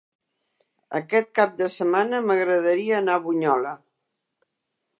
Aquest cap de setmana m'agradaria anar a Bunyola.